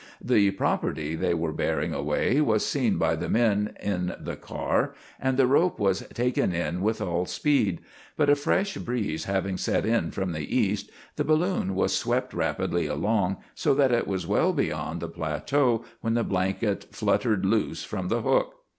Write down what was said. The property they were bearing away was seen by the men in the car, and the rope was taken in with all speed; but a fresh breeze having set in from the east, the balloon was swept rapidly along, so that it was well beyond the plateau when the blanket fluttered loose from the hook.